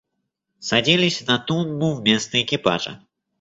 Садились на тумбу вместо экипажа.